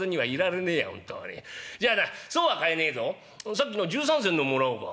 さっきの１３銭のもらおうか」。